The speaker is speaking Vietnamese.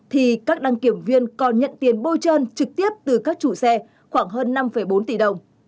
thì các đăng kiểm viên còn nhận tiền bôi trơn trực tiếp từ các chủ xe khoảng hơn năm bốn tỷ đồng